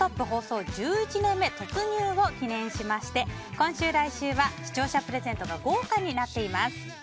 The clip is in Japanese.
放送１１年目を記念しまして記念しまして今週、来週は視聴者プレゼントが豪華になっています。